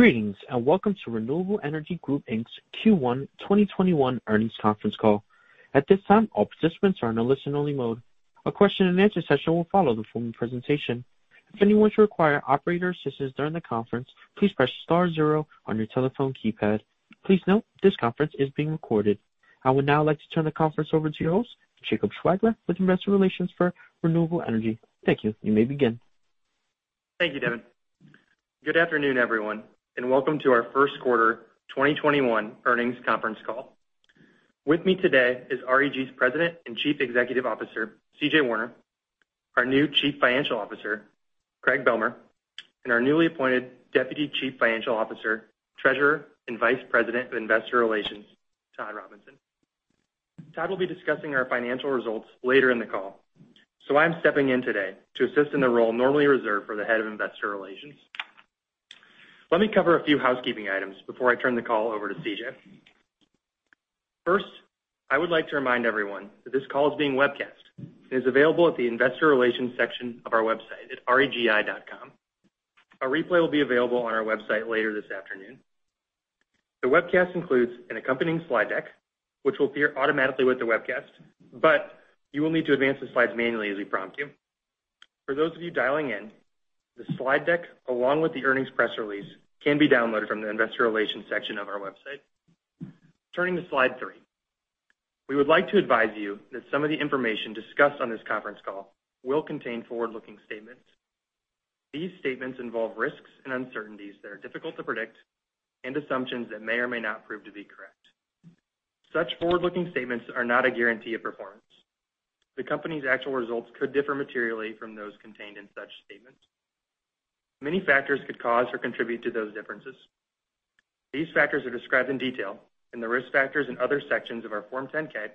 Greetings, and welcome to Renewable Energy Group Inc.'s Q1 2021 earnings conference call. At this time, all participants are in a listen-only mode. A question and answer session will follow the formal presentation. If anyone should require operator assistance during the conference, please press star zero on your telephone keypad. Please note this conference is being recorded. I would now like to turn the conference over to your host, Jacob Schwager, with investor relations for Renewable Energy. Thank you. You may begin. Thank you, Devin. Good afternoon, everyone, and welcome to our first quarter 2021 earnings conference call. With me today is REG's President and Chief Executive Officer, Cynthia Warner, our new Chief Financial Officer, Craig Bealmear, and our newly appointed Deputy Chief Financial Officer, Treasurer, and Vice President of Investor Relations, Todd Robinson. Todd will be discussing our financial results later in the call. I'm stepping in today to assist in the role normally reserved for the head of investor relations. Let me cover a few housekeeping items before I turn the call over to CJ. First, I would like to remind everyone that this call is being webcast, and is available at the investor relations section of our website at regi.com. A replay will be available on our website later this afternoon. The webcast includes an accompanying slide deck, which will appear automatically with the webcast, but you will need to advance the slides manually as we prompt you. For those of you dialing in, the slide deck, along with the earnings press release, can be downloaded from the investor relations section of our website. Turning to slide three. We would like to advise you that some of the information discussed on this conference call will contain forward-looking statements. These statements involve risks and uncertainties that are difficult to predict, and assumptions that may or may not prove to be correct. Such forward-looking statements are not a guarantee of performance. The company's actual results could differ materially from those contained in such statements. Many factors could cause or contribute to those differences. These factors are described in detail in the risk factors and other sections of our Form 10-K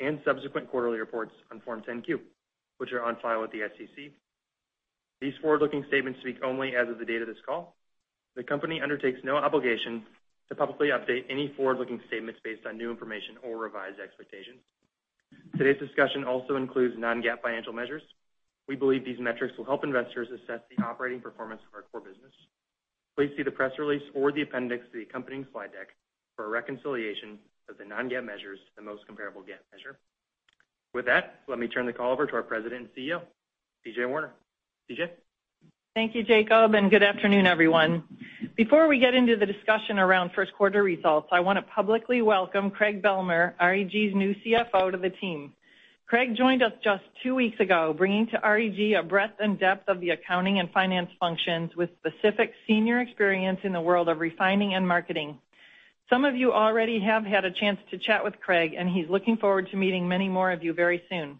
and subsequent quarterly reports on Form 10-Q, which are on file with the SEC. These forward-looking statements speak only as of the date of this call. The company undertakes no obligation to publicly update any forward-looking statements based on new information or revised expectations. Today's discussion also includes Non-GAAP financial measures. We believe these metrics will help investors assess the operating performance of our core business. Please see the press release or the appendix to the accompanying slide deck for a reconciliation of the Non-GAAP measures to the most comparable GAAP measure. With that, let me turn the call over to our President and CEO, Cynthia Warner. CJ? Thank you, Jacob, and good afternoon, everyone. Before we get into the discussion around first quarter results, I want to publicly welcome Craig Bealmear, REG's new CFO, to the team. Craig joined us just two weeks ago, bringing to REG a breadth and depth of the accounting and finance functions, with specific senior experience in the world of refining and marketing. Some of you already have had a chance to chat with Craig, and he's looking forward to meeting many more of you very soon.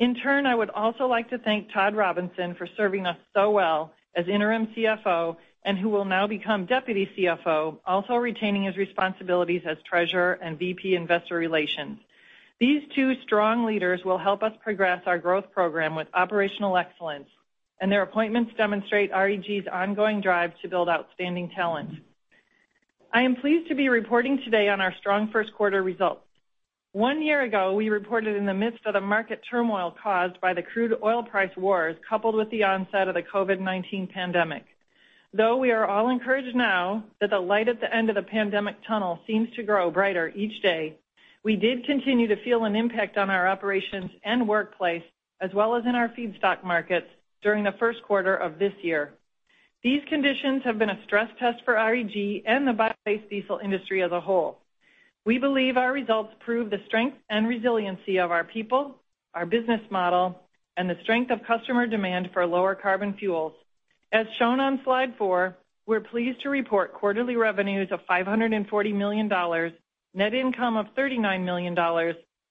In turn, I would also like to thank Todd Robinson for serving us so well as interim CFO, and who will now become Deputy CFO, also retaining his responsibilities as Treasurer and VP Investor Relations. These two strong leaders will help us progress our growth program with operational excellence, and their appointments demonstrate REG's ongoing drive to build outstanding talent. I am pleased to be reporting today on our strong first quarter results. One year ago, we reported in the midst of the market turmoil caused by the crude oil price wars, coupled with the onset of the COVID-19 pandemic. Though we are all encouraged now that the light at the end of the pandemic tunnel seems to grow brighter each day, we did continue to feel an impact on our operations and workplace, as well as in our feedstock markets during the first quarter of this year. These conditions have been a stress test for REG and the biobased diesel industry as a whole. We believe our results prove the strength and resiliency of our people, our business model, and the strength of customer demand for lower carbon fuels. As shown on slide four, we're pleased to report quarterly revenues of $540 million, net income of $39 million,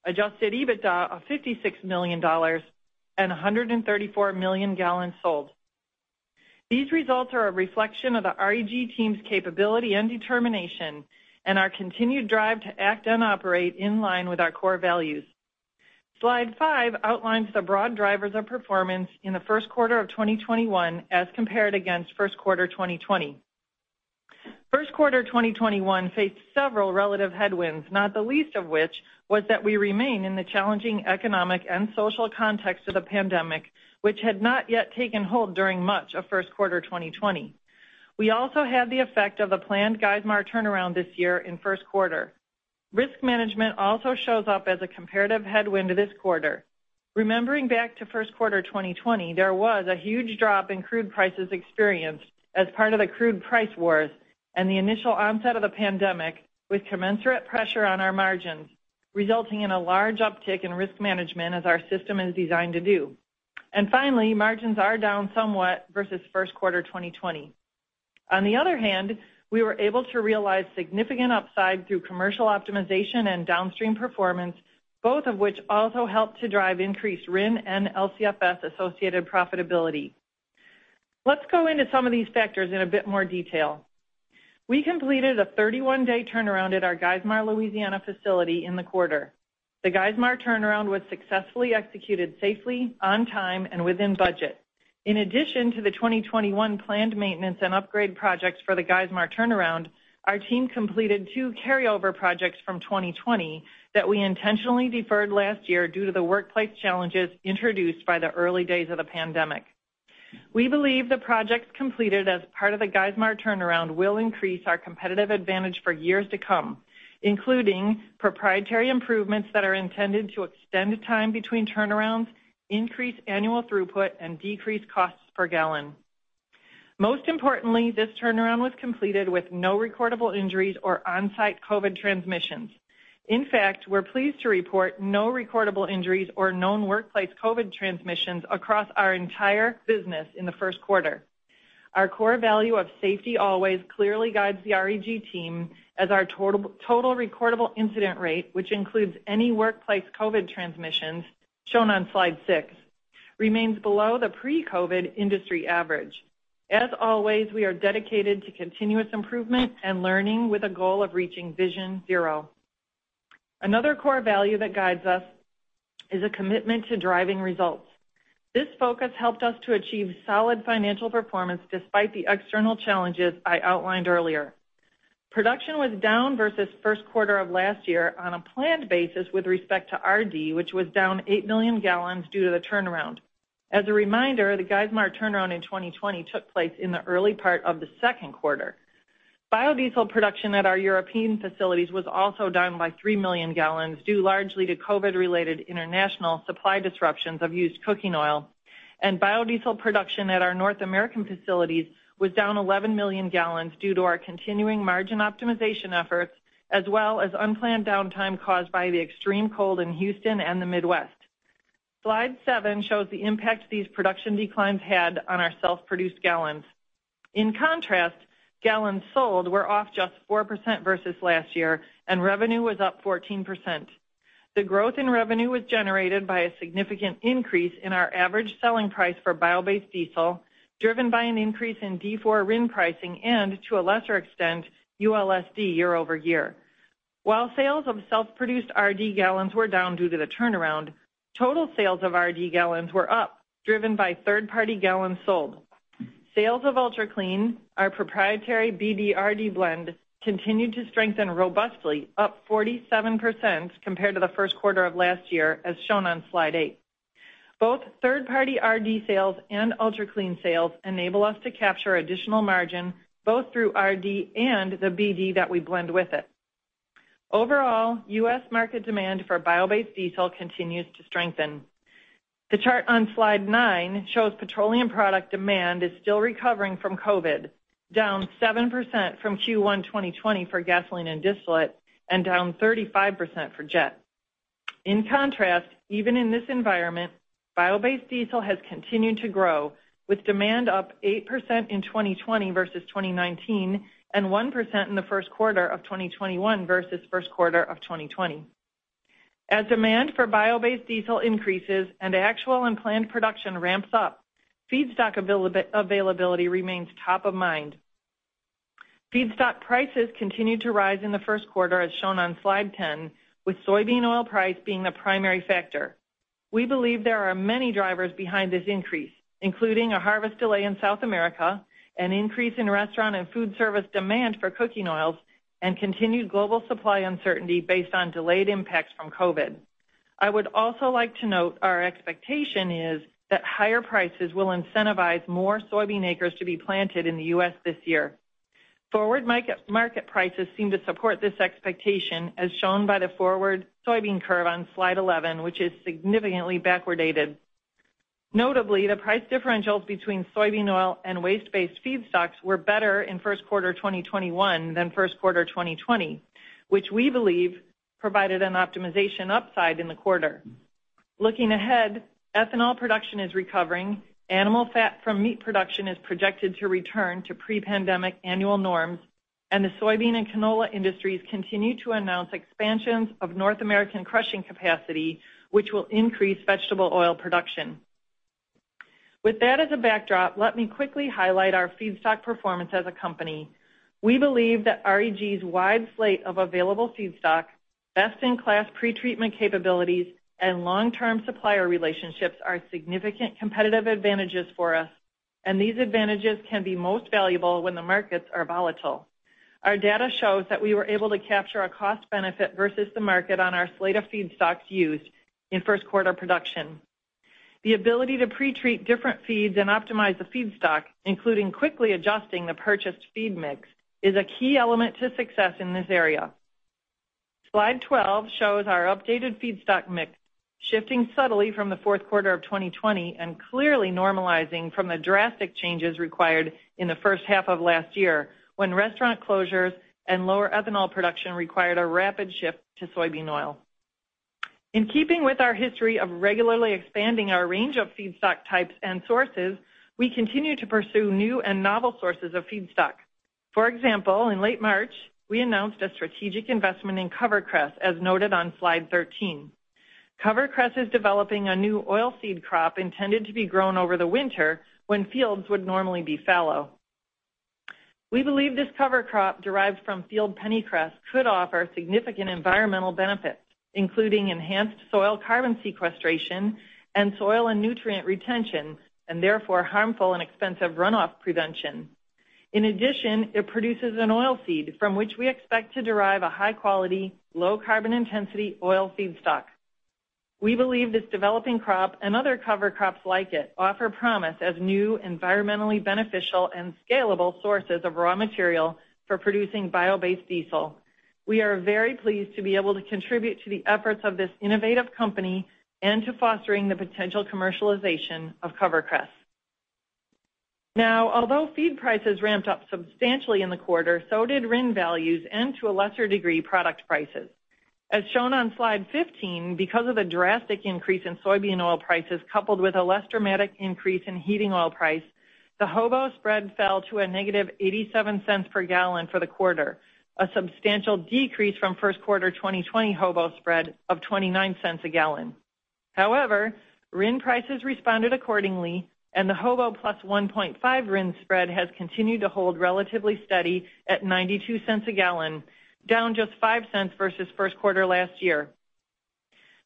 adjusted EBITDA of $56 million, and 134 million gallons sold. These results are a reflection of the REG team's capability and determination. Our continued drive to act and operate in line with our core values. Slide five outlines the broad drivers of performance in the first quarter of 2021 as compared against first quarter 2020. First quarter 2021 faced several relative headwinds, not the least of which was that we remain in the challenging economic and social context of the pandemic, which had not yet taken hold during much of first quarter 2020. We also had the effect of the planned Geismar turnaround this year in first quarter. Risk management also shows up as a comparative headwind to this quarter. Remembering back to first quarter 2020, there was a huge drop in crude prices experienced as part of the crude price wars and the initial onset of the pandemic, with commensurate pressure on our margins, resulting in a large uptick in risk management as our system is designed to do. Finally, margins are down somewhat versus first quarter 2020. On the other hand, we were able to realize significant upside through commercial optimization and downstream performance, both of which also helped to drive increased RIN and LCFS-associated profitability. Let's go into some of these factors in a bit more detail. We completed a 31-day turnaround at our Geismar, Louisiana facility in the quarter. The Geismar turnaround was successfully executed safely, on time, and within budget. In addition to the 2021 planned maintenance and upgrade projects for the Geismar turnaround, our team completed two carryover projects from 2020 that we intentionally deferred last year due to the workplace challenges introduced by the early days of the pandemic. We believe the projects completed as part of the Geismar turnaround will increase our competitive advantage for years to come, including proprietary improvements that are intended to extend the time between turnarounds, increase annual throughput, and decrease costs per gallon. Most importantly, this turnaround was completed with no recordable injuries or on-site COVID transmissions. In fact, we're pleased to report no recordable injuries or known workplace COVID transmissions across our entire business in the first quarter. Our core value of safety always clearly guides the REG team as our total recordable incident rate, which includes any workplace COVID transmissions, shown on slide six, remains below the pre-COVID industry average. As always, we are dedicated to continuous improvement and learning with a goal of reaching vision zero. Another core value that guides us is a commitment to driving results. This focus helped us to achieve solid financial performance despite the external challenges I outlined earlier. Production was down versus first quarter of last year on a planned basis with respect to RD, which was down eight million gallons due to the turnaround. As a reminder, the Geismar turnaround in 2020 took place in the early part of the second quarter. Biodiesel production at our European facilities was also down by three million gallons, due largely to COVID-related international supply disruptions of used cooking oil, biodiesel production at our North American facilities was down 11 million gallons due to our continuing margin optimization efforts, as well as unplanned downtime caused by the extreme cold in Houston and the Midwest. Slide seven shows the impact these production declines had on our self-produced gallons. In contrast, gallons sold were off just 4% versus last year, and revenue was up 14%. The growth in revenue was generated by a significant increase in our average selling price for bio-based diesel, driven by an increase in D4 RIN pricing and, to a lesser extent, ULSD year-over-year. While sales of self-produced RD gallons were down due to the turnaround, total sales of RD gallons were up, driven by third-party gallons sold. Sales of UltraClean, our proprietary BD/RD blend, continued to strengthen robustly, up 47% compared to the first quarter of last year, as shown on slide eight. Both third-party RD sales and UltraClean sales enable us to capture additional margin both through RD and the BD that we blend with it. Overall, U.S. market demand for bio-based diesel continues to strengthen. The chart on slide nine shows petroleum product demand is still recovering from COVID, down 7% from Q1 2020 for gasoline and distillate, and down 35% for jet. In contrast, even in this environment, bio-based diesel has continued to grow, with demand up 8% in 2020 versus 2019 and 1% in the first quarter of 2021 versus first quarter of 2020. As demand for bio-based diesel increases and actual and planned production ramps up, feedstock availability remains top of mind. Feedstock prices continued to rise in the first quarter, as shown on slide 10, with soybean oil price being the primary factor. We believe there are many drivers behind this increase, including a harvest delay in South America, an increase in restaurant and food service demand for cooking oils, continued global supply uncertainty based on delayed impacts from COVID. I would also like to note our expectation is that higher prices will incentivize more soybean acres to be planted in the U.S. this year. Forward market prices seem to support this expectation, as shown by the forward soybean curve on slide 11, which is significantly backwardated. Notably, the price differentials between soybean oil and waste-based feedstocks were better in first quarter 2021 than first quarter 2020, which we believe provided an optimization upside in the quarter. Looking ahead, ethanol production is recovering, animal fat from meat production is projected to return to pre-pandemic annual norms, and the soybean and canola industries continue to announce expansions of North American crushing capacity, which will increase vegetable oil production. With that as a backdrop, let me quickly highlight our feedstock performance as a company. We believe that REG's wide slate of available feedstock, best-in-class pretreatment capabilities, and long-term supplier relationships are significant competitive advantages for us, and these advantages can be most valuable when the markets are volatile. Our data shows that we were able to capture a cost benefit versus the market on our slate of feedstocks used in first quarter production. The ability to pretreat different feeds and optimize the feedstock, including quickly adjusting the purchased feed mix, is a key element to success in this area. Slide 12 shows our updated feedstock mix shifting subtly from the fourth quarter of 2020 and clearly normalizing from the drastic changes required in the first half of last year, when restaurant closures and lower ethanol production required a rapid shift to soybean oil. In keeping with our history of regularly expanding our range of feedstock types and sources, we continue to pursue new and novel sources of feedstock. For example, in late March, we announced a strategic investment in CoverCress, as noted on slide 13. CoverCress is developing a new oilseed crop intended to be grown over the winter, when fields would normally be fallow. We believe this cover crop derived from field pennycress could offer significant environmental benefits, including enhanced soil carbon sequestration and soil and nutrient retention, and therefore harmful and expensive runoff prevention. In addition, it produces an oilseed from which we expect to derive a high-quality, low-carbon intensity oil feedstock. We believe this developing crop and other cover crops like it offer promise as new environmentally beneficial and scalable sources of raw material for producing bio-based diesel. We are very pleased to be able to contribute to the efforts of this innovative company and to fostering the potential commercialization of CoverCress. Although feed prices ramped up substantially in the quarter, so did RIN values, and to a lesser degree, product prices. As shown on slide 15, because of the drastic increase in soybean oil prices, coupled with a less dramatic increase in heating oil price, the HOBO spread fell to -$0.87 per gallon for the quarter, a substantial decrease from first quarter 2020 HOBO spread of $0.29 a gallon. RIN prices responded accordingly, and the HOBO plus 1.5 RIN spread has continued to hold relatively steady at $0.92 a gallon, down just $0.05 versus first quarter last year.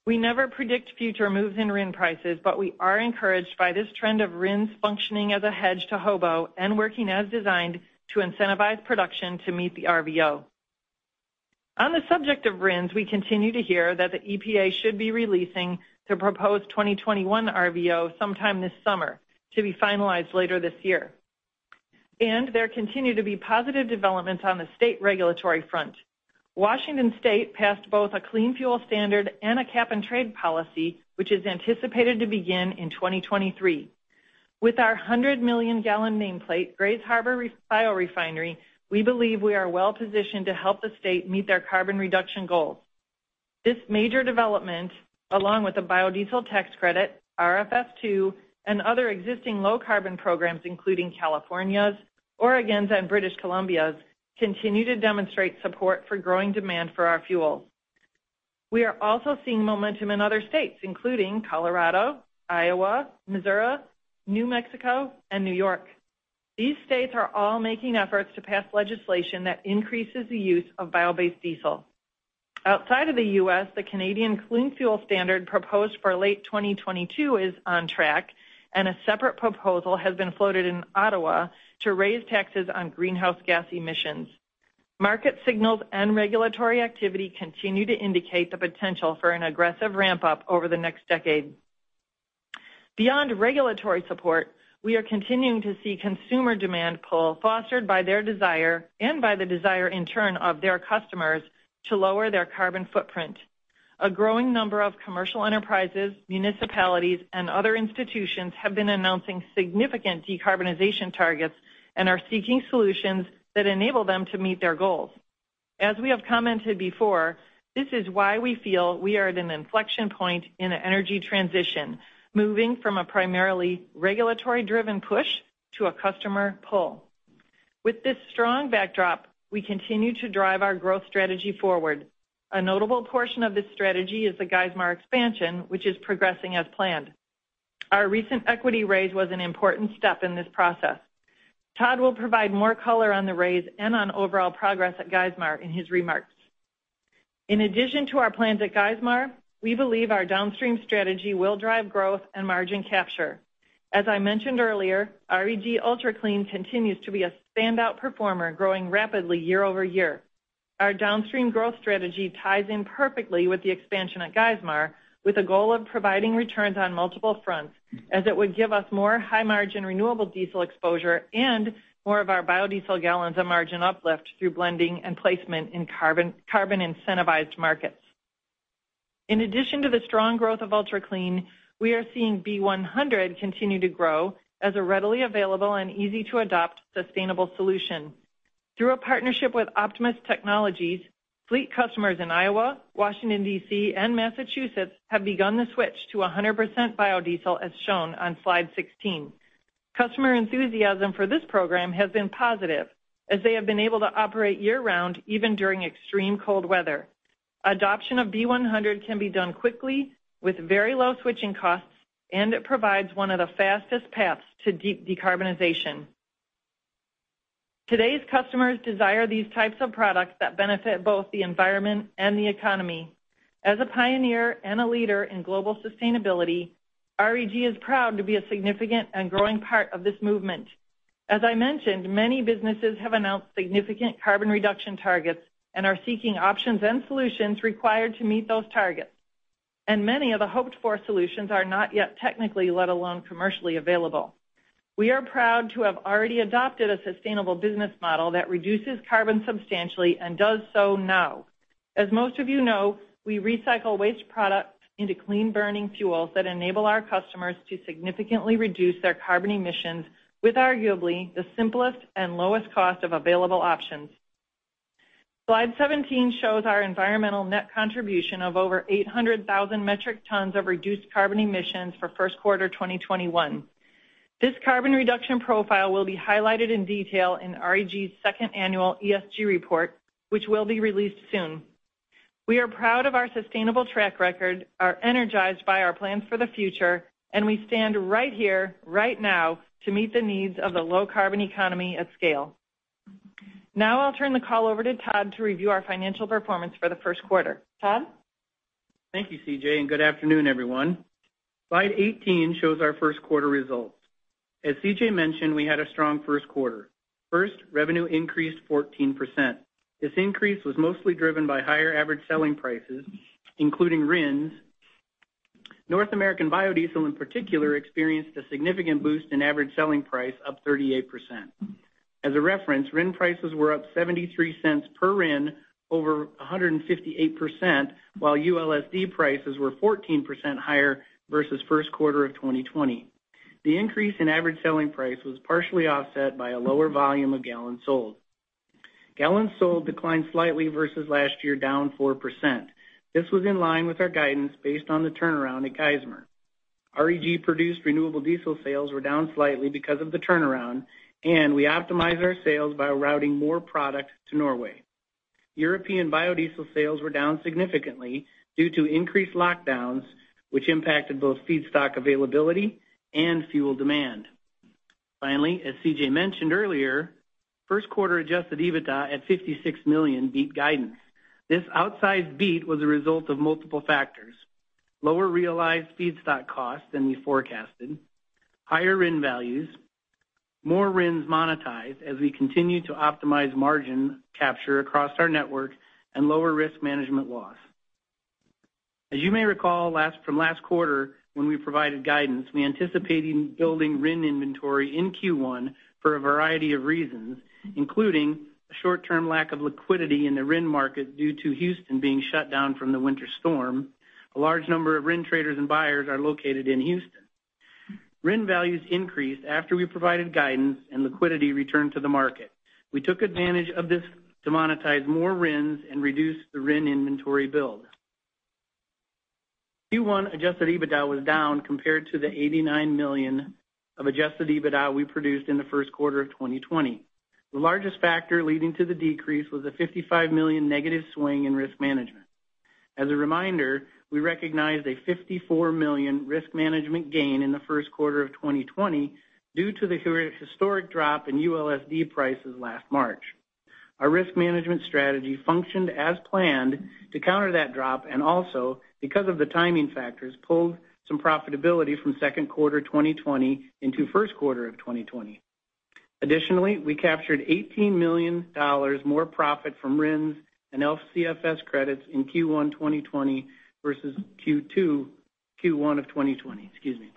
We never predict future moves in RIN prices, but we are encouraged by this trend of RINs functioning as a hedge to HOBO, and working as designed to incentivize production to meet the RVO. On the subject of RINs, we continue to hear that the EPA should be releasing their proposed 2021 RVO sometime this summer, to be finalized later this year. There continue to be positive developments on the state regulatory front. Washington State passed both a Clean Fuel Standard and a Cap and Trade Policy, which is anticipated to begin in 2023. With our 100 million gallon nameplate Grays Harbor biorefinery, we believe we are well-positioned to help the state meet their carbon reduction goals. This major development, along with the biodiesel tax credit, RFS2, and other existing low-carbon programs, including California's, Oregon's, and British Columbia's, continue to demonstrate support for growing demand for our fuel. We are also seeing momentum in other states, including Colorado, Iowa, Missouri, New Mexico, and New York. Outside of the U.S., the Canadian Clean Fuel Regulations proposed for late 2022 is on track, and a separate proposal has been floated in Ottawa to raise taxes on greenhouse gas emissions. Market signals and regulatory activity continue to indicate the potential for an aggressive ramp-up over the next decade. Beyond regulatory support, we are continuing to see consumer demand pull fostered by their desire, and by the desire in turn of their customers, to lower their carbon footprint. A growing number of commercial enterprises, municipalities, and other institutions have been announcing significant decarbonization targets and are seeking solutions that enable them to meet their goals. As we have commented before, this is why we feel we are at an inflection point in an energy transition, moving from a primarily regulatory-driven push to a customer pull. With this strong backdrop, we continue to drive our growth strategy forward. A notable portion of this strategy is the Geismar expansion, which is progressing as planned. Our recent equity raise was an important step in this process. Todd will provide more color on the raise and on overall progress at Geismar in his remarks. In addition to our plans at Geismar, we believe our downstream strategy will drive growth and margin capture. As I mentioned earlier, REG Ultra Clean continues to be a standout performer, growing rapidly year-over-year. Our downstream growth strategy ties in perfectly with the expansion at Geismar, with a goal of providing returns on multiple fronts as it would give us more high-margin renewable diesel exposure and more of our biodiesel gallons and margin uplift through blending and placement in carbon-incentivized markets. In addition to the strong growth of UltraClean, we are seeing B100 continue to grow as a readily available and easy-to-adopt sustainable solution. Through a partnership with Optimus Technologies, fleet customers in Iowa, Washington, D.C., and Massachusetts have begun the switch to 100% biodiesel, as shown on slide 16. Customer enthusiasm for this program has been positive, as they have been able to operate year-round, even during extreme cold weather. Adoption of B100 can be done quickly with very low switching costs, and it provides one of the fastest paths to deep decarbonization. Today's customers desire these types of products that benefit both the environment and the economy. As a pioneer and a leader in global sustainability, REG is proud to be a significant and growing part of this movement. As I mentioned, many businesses have announced significant carbon reduction targets and are seeking options and solutions required to meet those targets. Many of the hoped-for solutions are not yet technically, let alone commercially, available. We are proud to have already adopted a sustainable business model that reduces carbon substantially and does so now. As most of you know, we recycle waste products into clean-burning fuels that enable our customers to significantly reduce their carbon emissions with arguably the simplest and lowest cost of available options. Slide 17 shows our environmental net contribution of over 800,000 metric tons of reduced carbon emissions for first quarter 2021. This carbon reduction profile will be highlighted in detail in REG's second annual ESG report, which will be released soon. We are proud of our sustainable track record, are energized by our plans for the future, and we stand right here, right now, to meet the needs of the low-carbon economy at scale. Now, I'll turn the call over to Todd to review our financial performance for the first quarter. Todd? Thank you, CJ, and good afternoon, everyone. Slide 18 shows our first quarter results. As CJ mentioned, we had a strong first quarter. First, revenue increased 14%. This increase was mostly driven by higher average selling prices, including RINs. North American biodiesel, in particular, experienced a significant boost in average selling price, up 38%. As a reference, RIN prices were up $0.73 per RIN, over 158%, while ULSD prices were 14% higher versus first quarter of 2020. The increase in average selling price was partially offset by a lower volume of gallons sold. Gallons sold declined slightly versus last year, down 4%. This was in line with our guidance based on the turnaround at Geismar. REG-produced renewable diesel sales were down slightly because of the turnaround, and we optimized our sales by routing more product to Norway. European biodiesel sales were down significantly due to increased lockdowns, which impacted both feedstock availability and fuel demand. As CJ mentioned earlier, first quarter adjusted EBITDA at $56 million beat guidance. This outsized beat was a result of multiple factors. Lower realized feedstock costs than we forecasted, higher RIN values, more RINs monetized as we continue to optimize margin capture across our network, and lower risk management loss. As you may recall from last quarter when we provided guidance, we anticipated building RIN inventory in Q1 for a variety of reasons, including a short-term lack of liquidity in the RIN market due to Houston being shut down from the winter storm. A large number of RIN traders and buyers are located in Houston. RIN values increased after we provided guidance and liquidity returned to the market. We took advantage of this to monetize more RINs and reduce the RIN inventory build. Q1 adjusted EBITDA was down compared to the $89 million of adjusted EBITDA we produced in the first quarter of 2020. The largest factor leading to the decrease was a $55 million negative swing in risk management. As a reminder, we recognized a $54 million risk management gain in the first quarter of 2020 due to the historic drop in ULSD prices last March. Our risk management strategy functioned as planned to counter that drop, and also, because of the timing factors, pulled some profitability from second quarter 2020 into first quarter of 2020. Additionally, we captured $18 million more profit from RINs and LCFS credits in Q1 2020 versus Q2. Q1 of 2020, excuse me.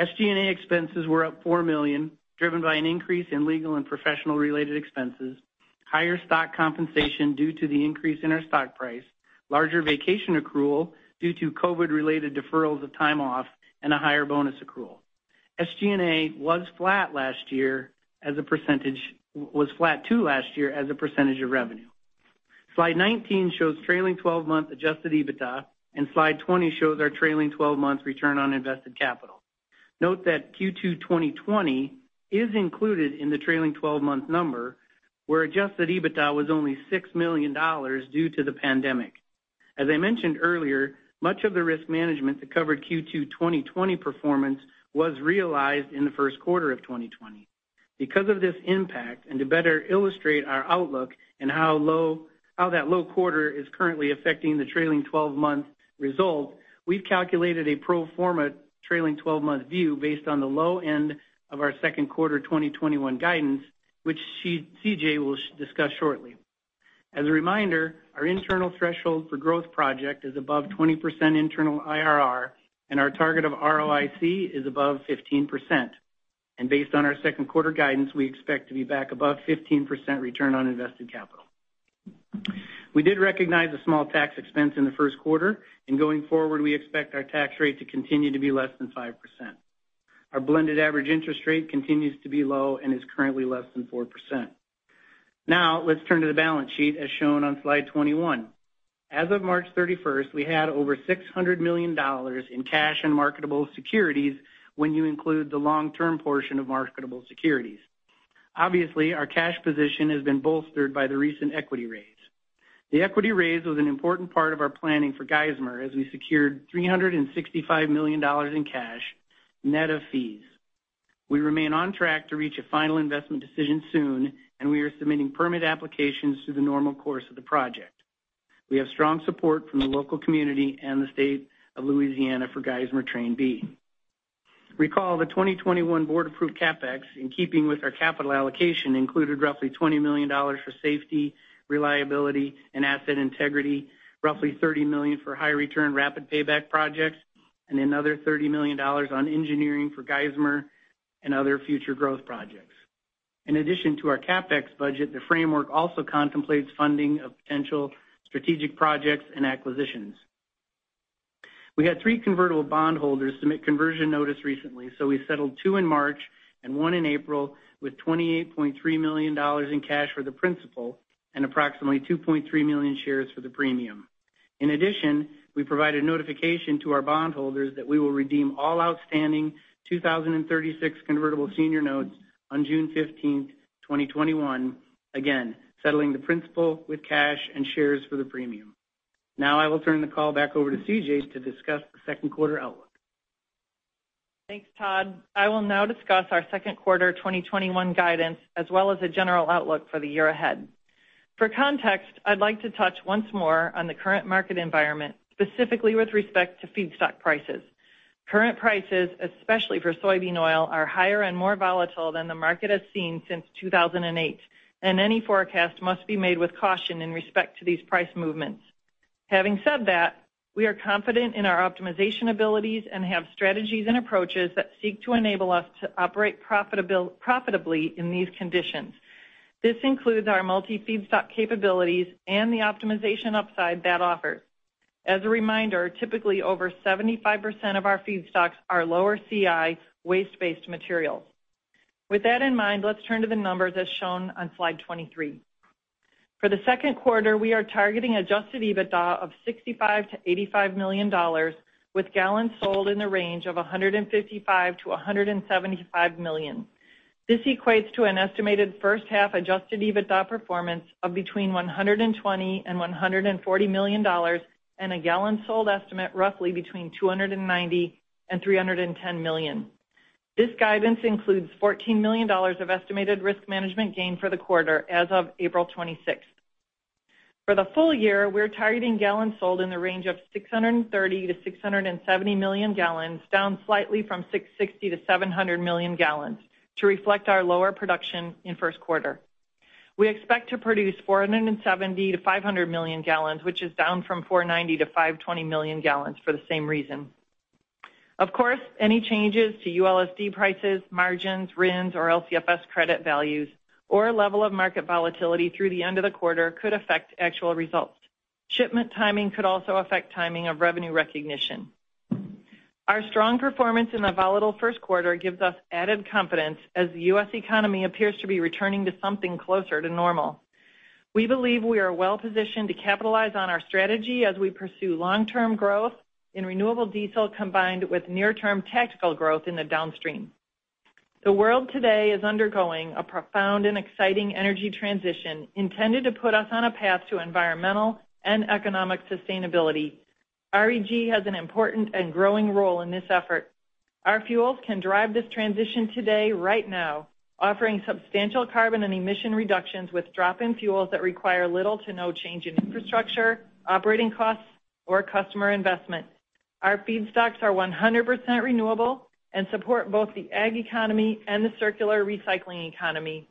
SG&A expenses were up $4 million, driven by an increase in legal and professional-related expenses, higher stock compensation due to the increase in our stock price, larger vacation accrual due to COVID-related deferrals of time off, and a higher bonus accrual. SG&A was flat too last year as a percentage of revenue. Slide 19 shows trailing 12-month adjusted EBITDA, and Slide 20 shows our trailing 12-month return on invested capital. Note that Q2 2020 is included in the trailing 12-month number, where adjusted EBITDA was only $6 million due to the pandemic. As I mentioned earlier, much of the risk management that covered Q2 2020 performance was realized in the first quarter of 2020. Because of this impact, and to better illustrate our outlook and how that low quarter is currently affecting the trailing 12-month result, we've calculated a pro forma trailing 12-month view based on the low end of our second quarter 2021 guidance, which CJ will discuss shortly. As a reminder, our internal threshold for growth project is above 20% internal IRR, and our target of ROIC is above 15%. Based on our second quarter guidance, we expect to be back above 15% return on invested capital. We did recognize a small tax expense in the first quarter, and going forward, we expect our tax rate to continue to be less than 5%. Our blended average interest rate continues to be low and is currently less than 4%. Let's turn to the balance sheet, as shown on slide 21. As of March 31st, we had over $600 million in cash and marketable securities when you include the long-term portion of marketable securities. Obviously, our cash position has been bolstered by the recent equity raise. The equity raise was an important part of our planning for Geismar, as we secured $365 million in cash, net of fees. We remain on track to reach a final investment decision soon. We are submitting permit applications through the normal course of the project. We have strong support from the local community and the state of Louisiana for Geismar expansion project. Recall the 2021 board-approved CapEx, in keeping with our capital allocation, included roughly $20 million for safety, reliability, and asset integrity, roughly $30 million for high-return rapid payback projects, and another $30 million on engineering for Geismar and other future growth projects. In addition to our CapEx budget, the framework also contemplates funding of potential strategic projects and acquisitions. We had three convertible bondholders submit conversion notice recently, so we settled two in March and one in April with $28.3 million in cash for the principal and approximately 2.3 million shares for the premium. In addition, we provided notification to our bondholders that we will redeem all outstanding 2036 convertible senior notes on June 15th, 2021, again, settling the principal with cash and shares for the premium. Now I will turn the call back over to Cynthia Warner to discuss the second quarter outlook. Thanks, Todd. I will now discuss our second quarter 2021 guidance, as well as a general outlook for the year ahead. For context, I'd like to touch once more on the current market environment, specifically with respect to feedstock prices. Current prices, especially for soybean oil, are higher and more volatile than the market has seen since 2008. Any forecast must be made with caution in respect to these price movements. Having said that, we are confident in our optimization abilities and have strategies and approaches that seek to enable us to operate profitably in these conditions. This includes our multi-feedstock capabilities and the optimization upside that offers. As a reminder, typically over 75% of our feedstocks are lower CI waste-based materials. With that in mind, let's turn to the numbers as shown on slide 23. For the second quarter, we are targeting adjusted EBITDA of $65 million-$85 million, with gallons sold in the range of 155 million-175 million. This equates to an estimated first-half adjusted EBITDA performance of between $120 million and $140 million, and a gallon sold estimate roughly between 290 million and 310 million. This guidance includes $14 million of estimated risk management gain for the quarter as of April 26th. For the full year, we're targeting gallons sold in the range of 630 million-670 million gallons, down slightly from 660 million-700 million gallons to reflect our lower production in first quarter. We expect to produce 470 million-500 million gallons, which is down from 490 million-520 million gallons for the same reason. Any changes to ULSD prices, margins, RINs, or LCFS credit values, or level of market volatility through the end of the quarter could affect actual results. Shipment timing could also affect timing of revenue recognition. Our strong performance in the volatile first quarter gives us added confidence as the U.S. economy appears to be returning to something closer to normal. We believe we are well-positioned to capitalize on our strategy as we pursue long-term growth in renewable diesel, combined with near-term tactical growth in the downstream. The world today is undergoing a profound and exciting energy transition intended to put us on a path to environmental and economic sustainability. REG has an important and growing role in this effort. Our fuels can drive this transition today, right now, offering substantial carbon and emission reductions with drop-in fuels that require little to no change in infrastructure, operating costs, or customer investment. Our feedstocks are 100% renewable and support both the ag economy and the circular recycling economy.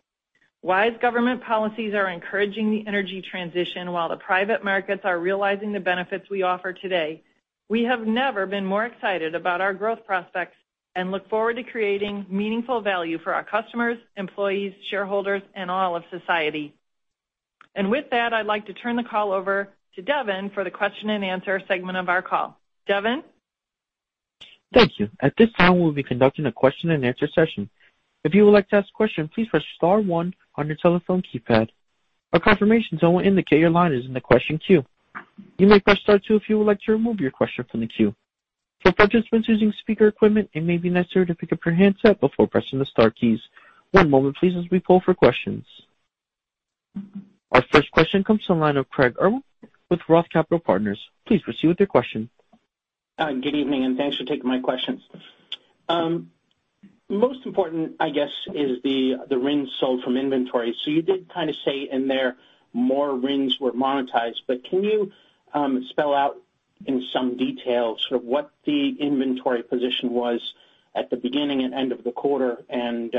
Wise government policies are encouraging the energy transition, while the private markets are realizing the benefits we offer today. We have never been more excited about our growth prospects and look forward to creating meaningful value for our customers, employees, shareholders, and all of society. With that, I'd like to turn the call over to Devin for the question and answer segment of our call. Devin? Thank you. At this time, we'll be conducting a question and answer session. If you would like to ask a question, please press star 1 on your telephone keypad. A confirmation tone will indicate your line is in the question queue. You may press star 2 if you would like to remove your question from the queue. For participants using speaker equipment, it may be necessary to pick up your handset before pressing the star keys. One moment please, as we poll for questions. Our first question comes from the line of Craig Irwin with Roth Capital Partners. Please proceed with your question. Good evening, and thanks for taking my questions. Most important, I guess, is the RINs sold from inventory. You did kind of say in there more RINs were monetized, but can you spell out in some detail sort of what the inventory position was at the beginning and end of the quarter, and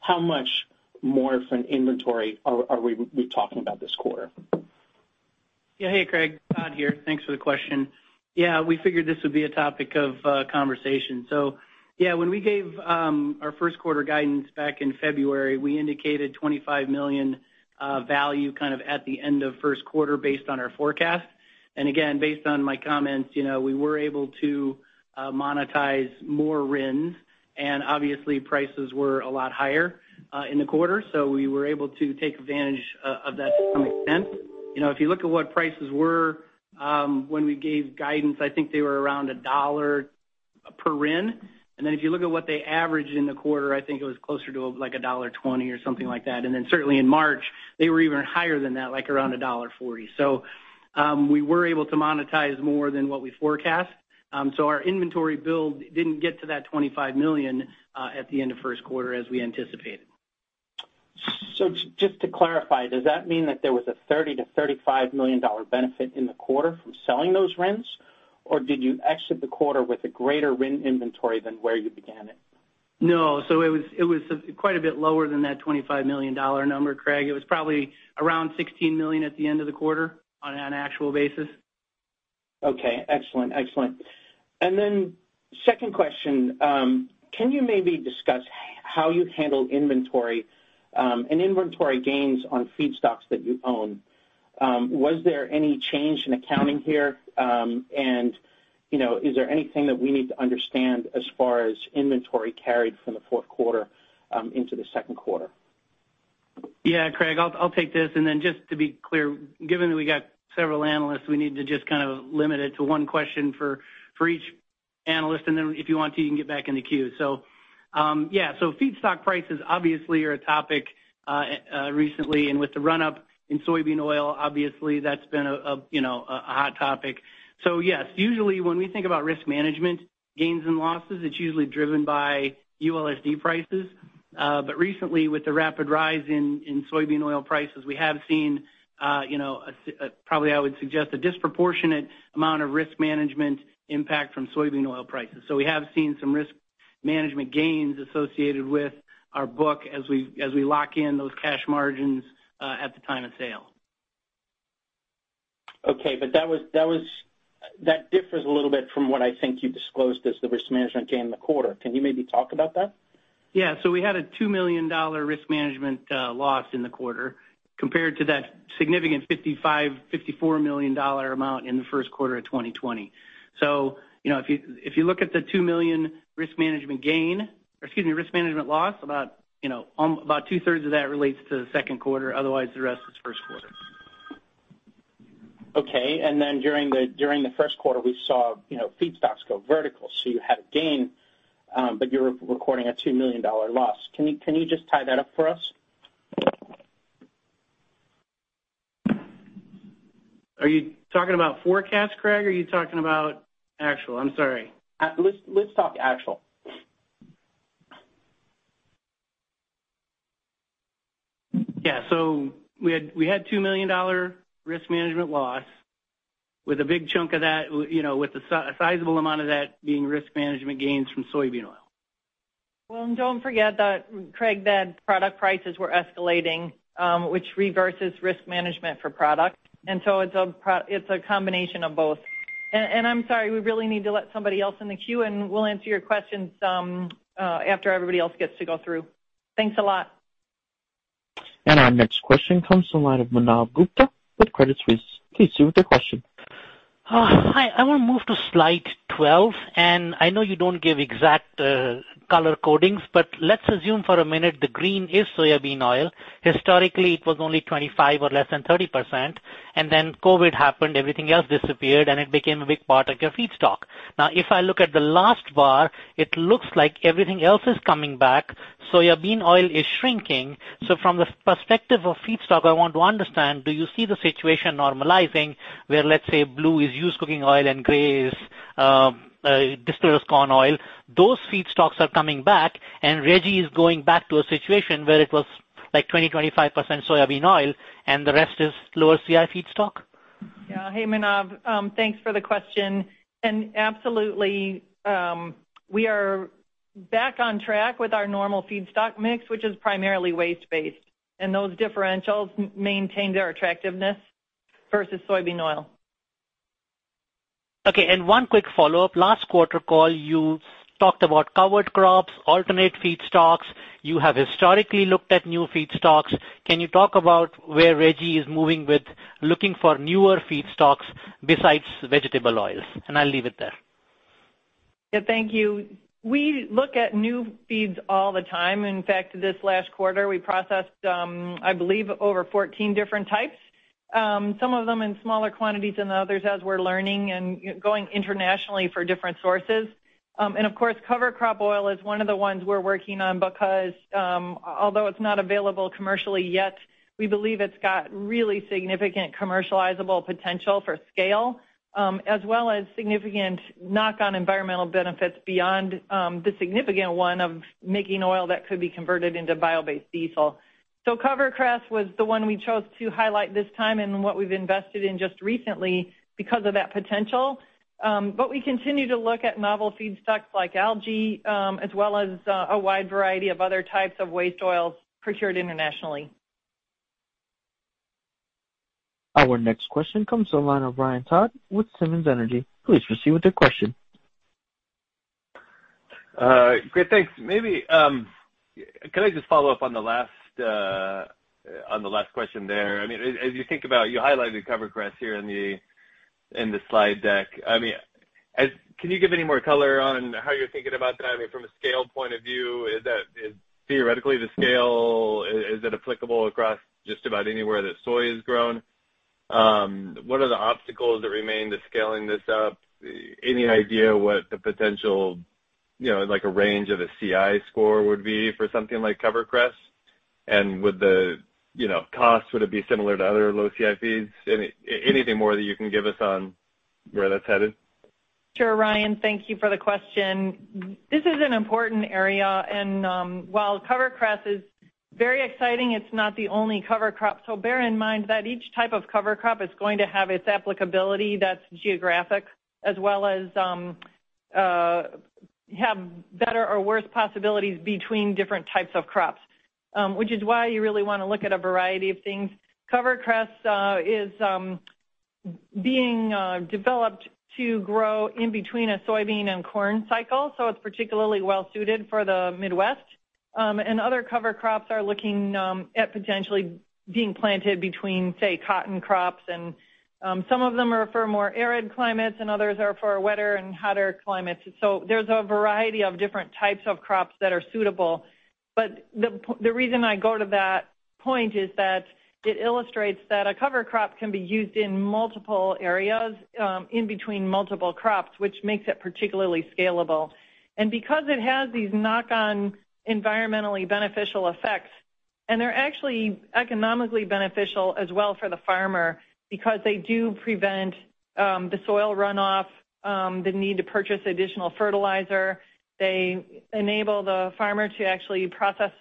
how much more of an inventory are we talking about this quarter? Hey, Craig. Todd here. Thanks for the question. We figured this would be a topic of conversation. When we gave our first quarter guidance back in February, we indicated $25 million value kind of at the end of first quarter based on our forecast. Again, based on my comments, we were able to monetize more RINs, and obviously prices were a lot higher in the quarter, so we were able to take advantage of that to some extent. If you look at what prices were when we gave guidance, I think they were around $1 per RIN. If you look at what they averaged in the quarter, I think it was closer to like $1.20 or something like that. Certainly in March, they were even higher than that, like around $1.40. We were able to monetize more than what we forecast. Our inventory build didn't get to that $25 million at the end of first quarter as we anticipated. Just to clarify, does that mean that there was a $30 million-$35 million benefit in the quarter from selling those RINs, or did you exit the quarter with a greater RIN inventory than where you began it? No. It was quite a bit lower than that $25 million number, Craig. It was probably around $16 million at the end of the quarter on an actual basis. Okay. Excellent. Second question, can you maybe discuss how you've handled inventory and inventory gains on feedstocks that you own? Was there any change in accounting here? Is there anything that we need to understand as far as inventory carried from the fourth quarter into the second quarter? Yeah, Craig, I'll take this. Just to be clear, given that we got several analysts, we need to just kind of limit it to one question for each analyst. If you want to, you can get back in the queue. Feedstock prices obviously are a topic recently, and with the run-up in soybean oil, obviously, that's been a hot topic. Yes, usually when we think about risk management gains and losses, it's usually driven by USD prices. Recently with the rapid rise in soybean oil prices, we have seen, probably I would suggest, a disproportionate amount of risk management impact from soybean oil prices. We have seen some risk management gains associated with our book as we lock in those cash margins at the time of sale. Okay. That differs a little bit from what I think you disclosed as the risk management gain in the quarter. Can you maybe talk about that? We had a $2 million risk management loss in the quarter compared to that significant $54 million amount in the first quarter of 2020. If you look at the $2 million risk management gain, or excuse me, risk management loss, about two-thirds of that relates to the second quarter, otherwise, the rest was first quarter. Okay. During the first quarter, we saw feedstocks go vertical. You had a gain, but you're recording a $2 million loss. Can you just tie that up for us? Are you talking about forecast, Craig, or are you talking about actual? I'm sorry. Let's talk actual. Yeah. We had a $2 million risk management loss with a sizable amount of that being risk management gains from soybean oil. Well, don't forget that Craig, that product prices were escalating, which reverses risk management for product. So it's a combination of both. I'm sorry, we really need to let somebody else in the queue, and we'll answer your questions after everybody else gets to go through. Thanks a lot. Our next question comes from the line of Manav Gupta with Credit Suisse. Please proceed with your question. Hi. I want to move to slide 12, and I know you don't give exact color codings, but let's assume for a minute the green is soybean oil. Then COVID-19 happened, everything else disappeared, and it became a big part of your feedstock. If I look at the last bar, it looks like everything else is coming back. Soybean oil is shrinking. From the perspective of feedstock, I want to understand, do you see the situation normalizing where, let's say, blue is used cooking oil and gray is distillers corn oil? Those feedstocks are coming back, REG is going back to a situation where it was like 20%, 25% soybean oil and the rest is lower CI feedstock. Yeah. Hey, Manav. Thanks for the question. Absolutely, we are back on track with our normal feedstock mix, which is primarily waste-based, and those differentials maintain their attractiveness versus soybean oil. Okay. One quick follow-up. Last quarter call, you talked about CoverCress, alternate feedstocks. You have historically looked at new feedstocks. Can you talk about where REG is moving with looking for newer feedstocks besides vegetable oils? I'll leave it there. Yeah, thank you. We look at new feeds all the time. In fact, this last quarter, we processed, I believe, over 14 different types. Some of them in smaller quantities than others as we're learning and going internationally for different sources. Of course, cover crop oil is one of the ones we're working on because, although it's not available commercially yet, we believe it's got really significant commercializable potential for scale, as well as significant knock-on environmental benefits beyond the significant one of making oil that could be converted into bio-based diesel. Cover crops was the one we chose to highlight this time and what we've invested in just recently because of that potential. We continue to look at novel feedstocks like algae, as well as a wide variety of other types of waste oils procured internationally. Our next question comes to the line of Ryan Todd with Simmons Energy. Please proceed with your question. Great. Thanks. Maybe, could I just follow up on the last question there? As you think about, you highlighted cover crops here in the slide deck. Can you give any more color on how you're thinking about that? From a scale point of view, theoretically the scale, is it applicable across just about anywhere that soy is grown? What are the obstacles that remain to scaling this up? Any idea what the potential range of a CI score would be for something like cover crops? Would the cost, would it be similar to other low CIs? Anything more that you can give us on where that's headed? Sure. Ryan, thank you for the question. This is an important area, and while cover crops is very exciting, it's not the only cover crop. Bear in mind that each type of cover crop is going to have its applicability that's geographic as well as have better or worse possibilities between different types of crops, which is why you really want to look at a variety of things. Cover crops is being developed to grow in between a soybean and corn cycle, so it's particularly well-suited for the Midwest. Other cover crops are looking at potentially being planted between, say, cotton crops, and some of them are for more arid climates, and others are for wetter and hotter climates. There's a variety of different types of crops that are suitable. The reason I go to that point is that it illustrates that a cover crop can be used in multiple areas, in between multiple crops, which makes it particularly scalable. Because it has these knock-on environmentally beneficial effects, and they're actually economically beneficial as well for the farmer, because they do prevent the soil runoff, the need to purchase additional fertilizer. They enable the farmer to actually process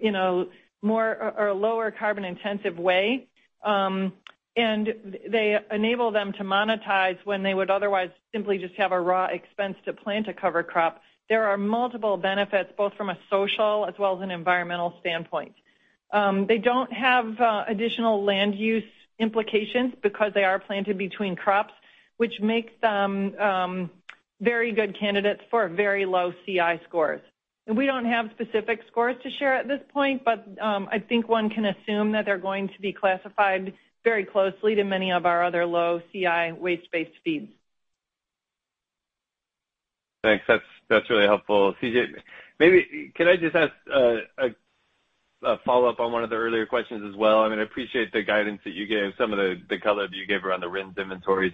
in a lower carbon intensive way. They enable them to monetize when they would otherwise simply just have a raw expense to plant a cover crop. There are multiple benefits, both from a social as well as an environmental standpoint. They don't have additional land use implications because they are planted between crops, which makes them very good candidates for very low CI scores. We don't have specific scores to share at this point, but I think one can assume that they're going to be classified very closely to many of our other low CI waste-based feeds. Thanks. That's really helpful. CJ, can I just ask a follow-up on one of the earlier questions as well? I appreciate the guidance that you gave, some of the color that you gave around the RINs inventories.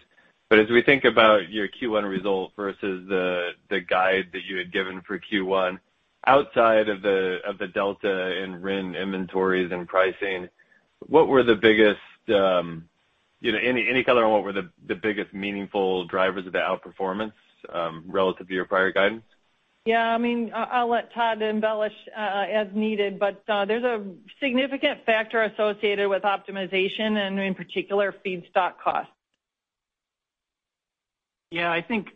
As we think about your Q1 result versus the guide that you had given for Q1, outside of the delta in RIN inventories and pricing, any color on what were the biggest meaningful drivers of the outperformance, relative to your prior guidance? Yeah. I'll let Todd embellish as needed, but there's a significant factor associated with optimization and, in particular, feedstock costs. Yeah. I think,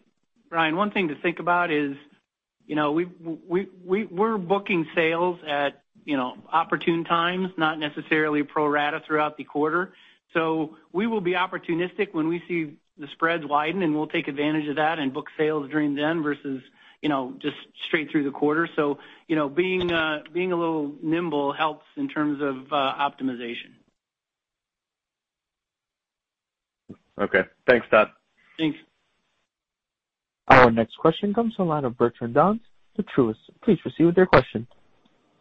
Ryan, one thing to think about is we're booking sales at opportune times, not necessarily pro rata throughout the quarter. We will be opportunistic when we see the spreads widen, and we'll take advantage of that and book sales during then versus just straight through the quarter. Being a little nimble helps in terms of optimization. Okay. Thanks, Todd. Thanks. Our next question comes from the line of Bertrand Dawes from Truist. Please proceed with your question.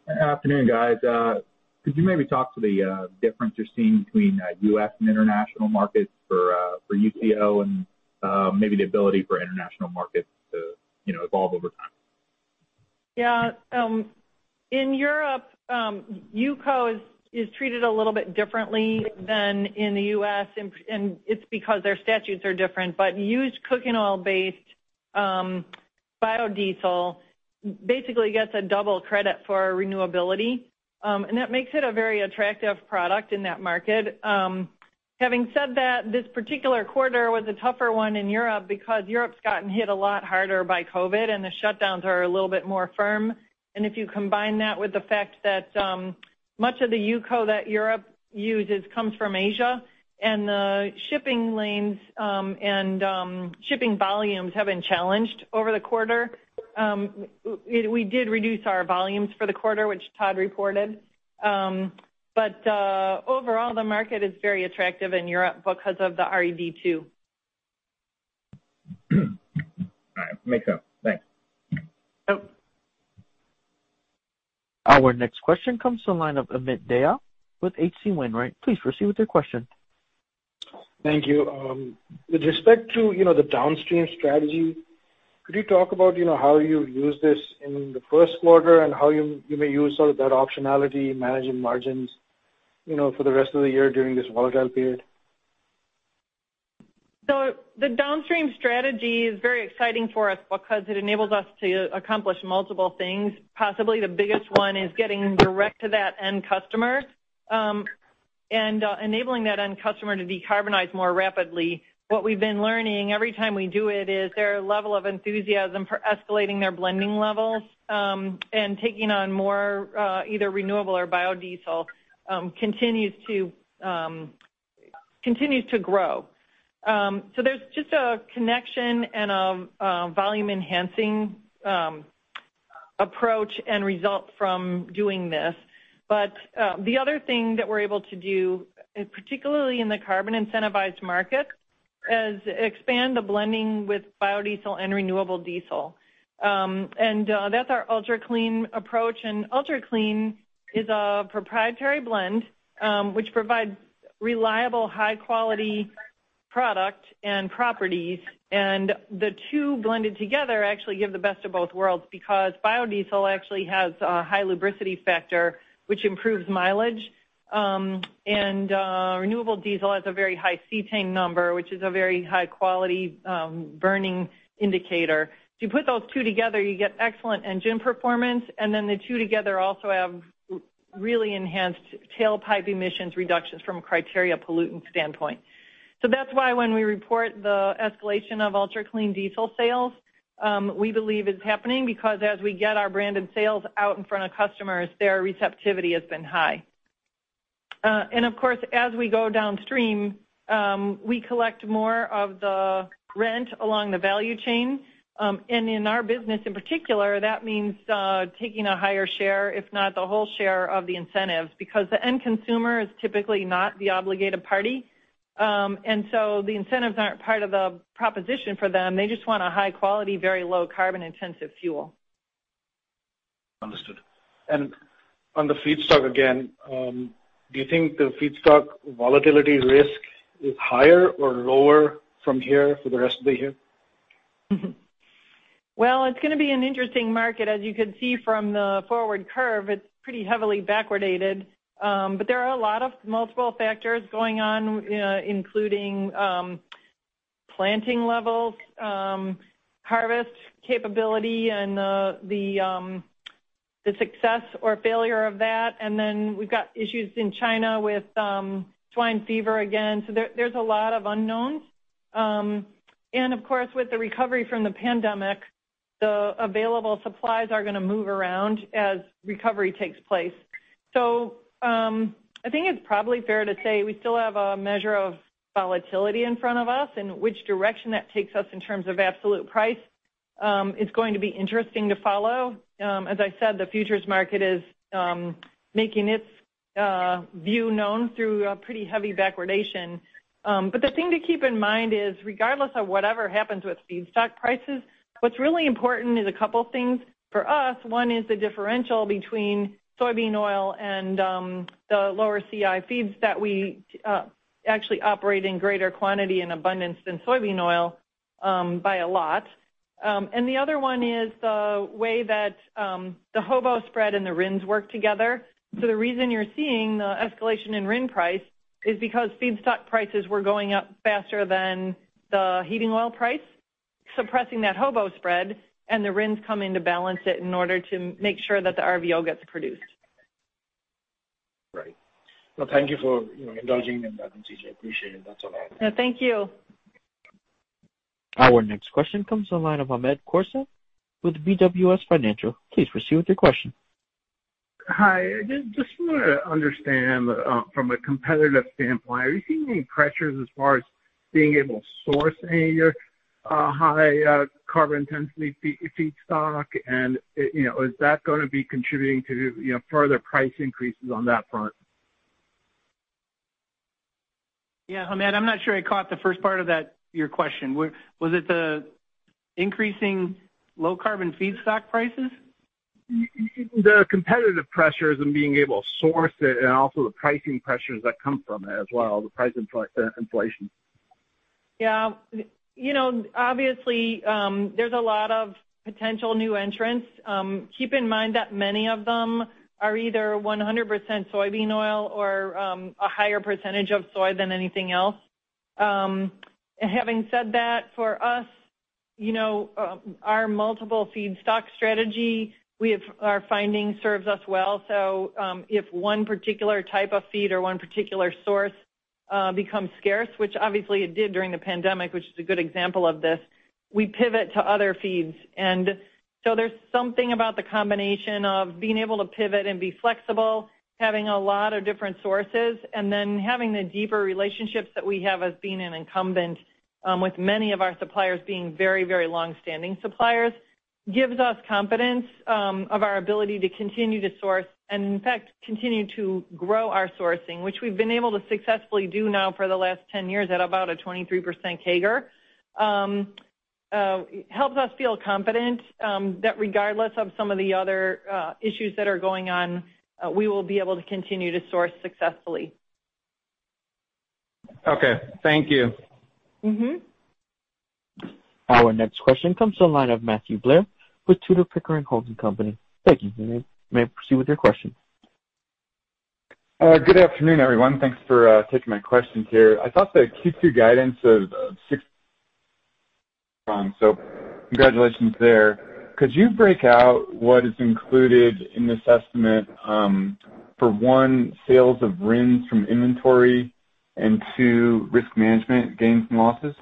Good afternoon, guys. Could you maybe talk to the difference you're seeing between U.S. and international markets for UCO and maybe the ability for international markets to evolve over time? Yeah. In Europe, UCO is treated a little bit differently than in the U.S., and it's because their statutes are different. Used cooking oil-based biodiesel basically gets a double credit for renewability, and that makes it a very attractive product in that market. Having said that, this particular quarter was a tougher one in Europe because Europe's gotten hit a lot harder by COVID, and the shutdowns are a little bit more firm. If you combine that with the fact that much of the UCO that Europe uses comes from Asia, and the shipping lanes and shipping volumes have been challenged over the quarter. We did reduce our volumes for the quarter, which Todd reported. Overall, the market is very attractive in Europe because of the RED II. All right. Makes sense. Thanks. Yep. Our next question comes to the line of Amit Dayal with H.C. Wainwright. Please proceed with your question. Thank you. With respect to the downstream strategy, could you talk about how you've used this in the first quarter and how you may use some of that optionality in managing margins for the rest of the year during this volatile period? The downstream strategy is very exciting for us because it enables us to accomplish multiple things. Possibly the biggest one is getting direct to that end customer, and enabling that end customer to decarbonize more rapidly. What we've been learning every time we do it is their level of enthusiasm for escalating their blending levels, and taking on more either renewable or biodiesel continues to grow. There's just a connection and a volume enhancing approach and result from doing this. The other thing that we're able to do, particularly in the carbon incentivized market, is expand the blending with biodiesel and renewable diesel. That's our UltraClean approach. UltraClean is a proprietary blend, which provides reliable, high-quality product and properties. The two blended together actually give the best of both worlds because biodiesel actually has a high lubricity factor, which improves mileage. Renewable diesel has a very high cetane number, which is a very high quality burning indicator. If you put those two together, you get excellent engine performance, and then the two together also have really enhanced tailpipe emissions reductions from a criteria pollutant standpoint. That's why when we report the escalation of REG Ultra Clean sales, we believe it's happening because as we get our branded sales out in front of customers, their receptivity has been high. Of course, as we go downstream, we collect more of the rent along the value chain. In our business in particular, that means taking a higher share, if not the whole share of the incentives, because the end consumer is typically not the obligated party. The incentives aren't part of the proposition for them. They just want a high quality, very low carbon intensive fuel. Understood. On the feedstock again, do you think the feedstock volatility risk is higher or lower from here for the rest of the year? Well, it's going to be an interesting market. As you can see from the forward curve, it's pretty heavily backwardated, but there are a lot of multiple factors going on, including planting levels, harvest capability, and the success or failure of that. Then we've got issues in China with swine fever again. There's a lot of unknowns. Of course, with the recovery from the pandemic, the available supplies are going to move around as recovery takes place. I think it's probably fair to say we still have a measure of volatility in front of us and which direction that takes us in terms of absolute price, it's going to be interesting to follow. As I said, the futures market is making its view known through a pretty heavy backwardation. The thing to keep in mind is regardless of whatever happens with feedstock prices, what's really important is a couple things. For us, one is the differential between soybean oil and the lower CI feeds that we actually operate in greater quantity and abundance than soybean oil, by a lot. The other one is the way that the HOBO spread and the RINs work together. The reason you're seeing the escalation in RIN price is because feedstock prices were going up faster than the heating oil price, suppressing that HOBO spread, and the RINs come in to balance it in order to make sure that the RVO gets produced. Right. Well, thank you for indulging me in that, Lisa. Appreciate it. That's all. No, thank you. Our next question comes to the line of Hamed Khorsand with BWS Financial. Please proceed with your question. Hi. I just want to understand from a competitive standpoint, are you seeing any pressures as far as being able to source any of your high carbon intensity feedstock, and is that going to be contributing to further price increases on that front? Yeah, Hamed, I'm not sure I caught the first part of your question. Was it the increasing low carbon feedstock prices? The competitive pressures and being able to source it, and also the pricing pressures that come from it as well, the price inflation. Yeah. Obviously, there's a lot of potential new entrants. Keep in mind that many of them are either 100% soybean oil or a higher percentage of soy than anything else. Having said that, for us, our multiple feedstock strategy, our refining serves us well. If one particular type of feed or one particular source becomes scarce, which obviously it did during the pandemic, which is a good example of this, we pivot to other feeds. There's something about the combination of being able to pivot and be flexible, having a lot of different sources, and then having the deeper relationships that we have as being an incumbent, with many of our suppliers being very longstanding suppliers, gives us confidence of our ability to continue to source and, in fact, continue to grow our sourcing, which we've been able to successfully do now for the last ten years at about a 23% CAGR. It helps us feel confident, that regardless of some of the other issues that are going on, we will be able to continue to source successfully. Okay. Thank you. Our next question comes to the line of Matthew Blair with Tudor, Pickering, Holt & Co.. Thank you. You may proceed with your question. Good afternoon, everyone. Thanks for taking my questions here. I thought the Q2 guidance of six. Congratulations there. Could you break out what is included in this estimate, for 1, sales of RINs from inventory and 2, risk management gains and losses?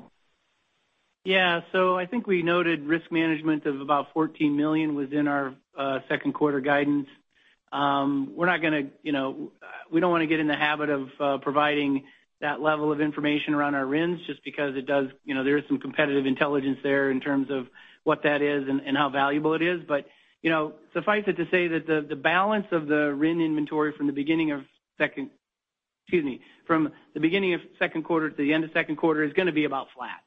I think we noted risk management of about $14 million within our second quarter guidance. We don't want to get in the habit of providing that level of information around our RINs just because there is some competitive intelligence there in terms of what that is and how valuable it is. Suffice it to say that the balance of the RIN inventory from the beginning of second quarter to the end of second quarter is going to be about flat.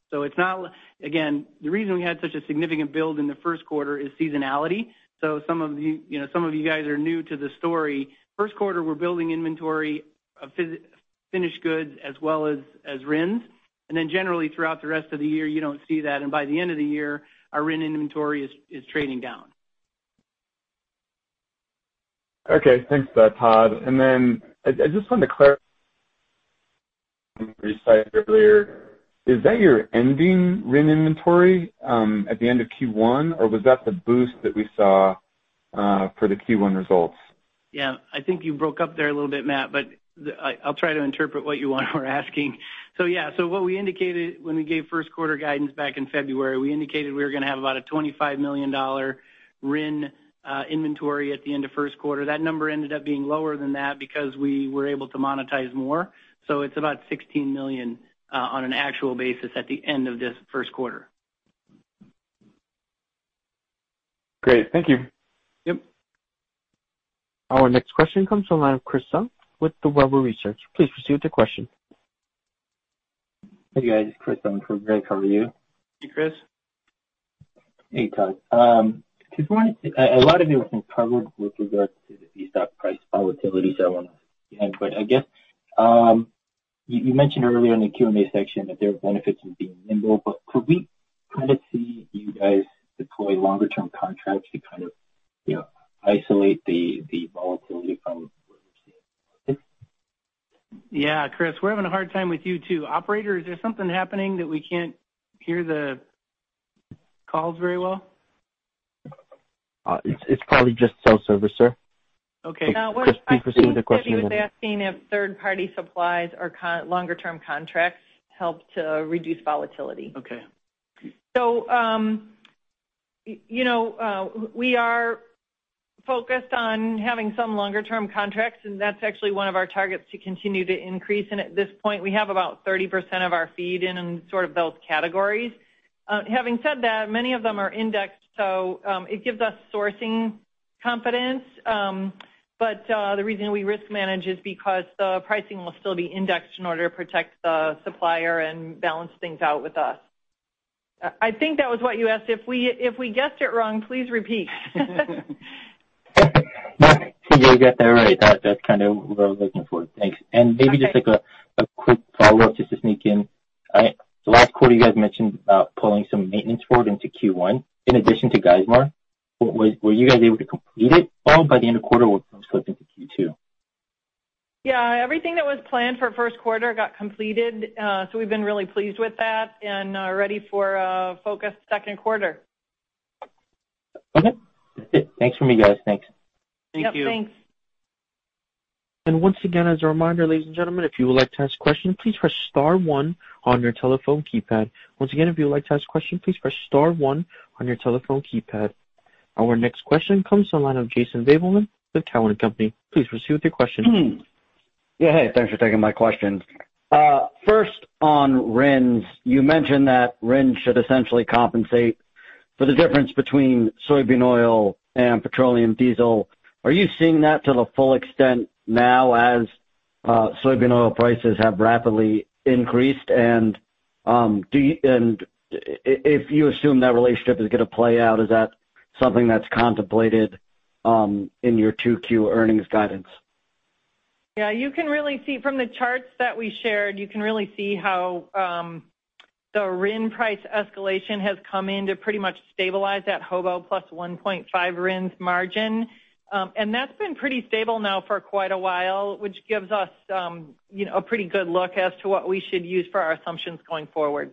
Again, the reason we had such a significant build in the first quarter is seasonality. Some of you guys are new to the story. First quarter, we're building inventory of finished goods as well as RINs. Generally throughout the rest of the year, you don't see that. By the end of the year, our RIN inventory is trading down. Okay. Thanks for that, Todd. I just wanted to clarify you said earlier, is that your ending RIN inventory at the end of Q1, or was that the boost that we saw for the Q1 results? Yeah, I think you broke up there a little bit, Matt, but I'll try to interpret what you are asking. Yeah. What we indicated when we gave first quarter guidance back in February, we indicated we were going to have about a $25 million RIN inventory at the end of first quarter. That number ended up being lower than that because we were able to monetize more. It's about $16 million on an actual basis at the end of this first quarter. Great. Thank you. Yep. Our next question comes from the line of Chris Sung with the Weber Research. Please proceed with your question. Hey, guys. Chris Sung from Weber Research. Hey, Chris. Hey, Todd. A lot of it was covered with regard to the feedstock price volatility, so I won't ask again, but I guess, you mentioned earlier in the Q&A section that there are benefits in being nimble, but could we see you guys deploy longer-term contracts to kind of isolate the volatility from what we're seeing in the market? Yeah, Chris, we're having a hard time with you, too. Operator, is there something happening that we can't hear the calls very well? It's probably just cell service, sir. Okay. Chris, please proceed with your question. I think what he was asking if third-party supplies or longer term contracts help to reduce volatility. Okay. We are focused on having some longer term contracts, and that's actually one of our targets to continue to increase, and at this point, we have about 30% of our feed in those categories. Having said that, many of them are indexed, so it gives us sourcing confidence. The reason we risk manage is because the pricing will still be indexed in order to protect the supplier and balance things out with us. I think that was what you asked. If we guessed it wrong, please repeat. You got that right. That's kind of what I was looking for. Thanks. Okay. Maybe just a quick follow-up, just to sneak in. Last quarter, you guys mentioned about pulling some maintenance forward into Q1 in addition to Geismar. Were you guys able to complete it all by the end of quarter or was some slipped into Q2? Yeah, everything that was planned for first quarter got completed. We've been really pleased with that and are ready for a focused second quarter. Okay. That's it. Thanks from you guys. Thanks. Thank you. Yep, thanks. Once again, as a reminder, ladies and gentlemen, if you would like to ask questions, please press star one on your telephone keypad. Once again, if you would like to ask questions, please press star one on your telephone keypad. Our next question comes to the line of Jason Gabelman with TD Cowen. Please proceed with your question. Yeah. Hey, thanks for taking my questions. First on RINs, you mentioned that RINs should essentially compensate for the difference between soybean oil and petroleum diesel. Are you seeing that to the full extent now as soybean oil prices have rapidly increased? If you assume that relationship is going to play out, is that something that's contemplated in your 2Q earnings guidance? Yeah, from the charts that we shared, you can really see how the RIN price escalation has come in to pretty much stabilize that HOBO +1.5 RINs margin. That's been pretty stable now for quite a while, which gives us a pretty good look as to what we should use for our assumptions going forward.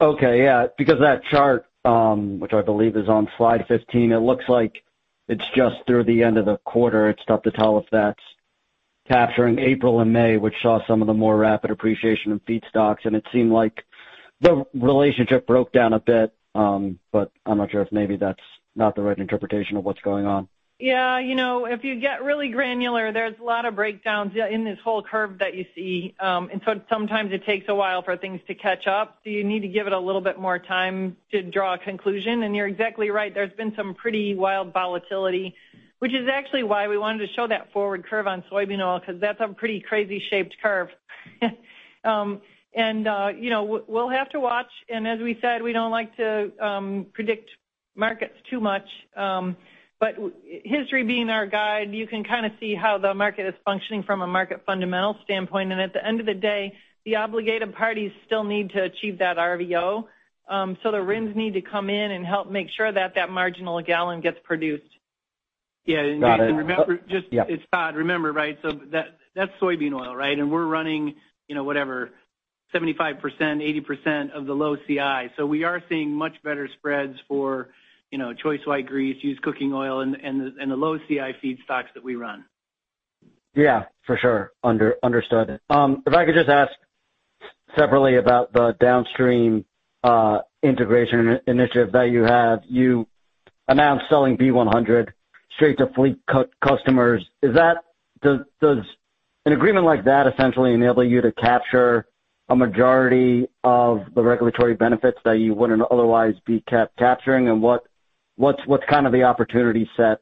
Okay. Yeah. That chart, which I believe is on slide 15, it looks like it's just through the end of the quarter. It's tough to tell if that's capturing April and May, which saw some of the more rapid appreciation of feedstocks, and it seemed like the relationship broke down a bit. I'm not sure if maybe that's not the right interpretation of what's going on. Yeah. If you get really granular, there's a lot of breakdowns in this whole curve that you see. Sometimes it takes a while for things to catch up, so you need to give it a little bit more time to draw a conclusion. You're exactly right. There's been some pretty wild volatility, which is actually why we wanted to show that forward curve on soybean oil, because that's a pretty crazy shaped curve. We'll have to watch, and as we said, we don't like to predict markets too much. History being our guide, you can kind of see how the market is functioning from a market fundamental standpoint. At the end of the day, the obligated parties still need to achieve that RVO. The RINs need to come in and help make sure that marginal gallon gets produced. Got it. Yep. Yeah, Jason, remember, it's Todd. Remember, right, so that's soybean oil, right? We're running whatever, 75%, 80% of the low CI. We are seeing much better spreads for choice white grease, used cooking oil, and the low CI feedstocks that we run. Yeah, for sure. Understood. If I could just ask separately about the downstream integration initiative that you have. You announced selling B100 straight to fleet customers. Does an agreement like that essentially enable you to capture a majority of the regulatory benefits that you wouldn't otherwise be capturing? What's kind of the opportunity set